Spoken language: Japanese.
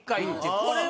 これは。